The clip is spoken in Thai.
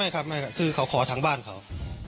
ไม่ครับคือเขาขอทั้งบ้านเขา